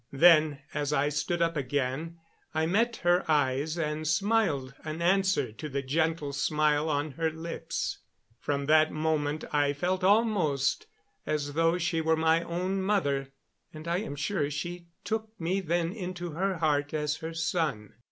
Then, as I stood up again, I met her eyes and smiled an answer to the gentle smile on her lips. From that moment I felt almost as though she were my own mother, and I am sure she took me then into her heart as her son.